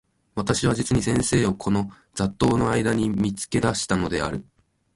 私は実に先生をこの雑沓（ざっとう）の間（あいだ）に見付け出したのである。